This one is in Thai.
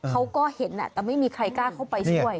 เขาก็เห็นแต่ไม่มีใครกล้าเข้าไปช่วย